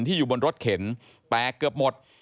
อยู่บนรถเข็นแตกเกือบหมด